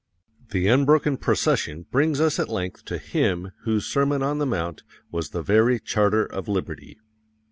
The unbroken procession brings us at length to Him whose Sermon on the Mount was the very charter of liberty.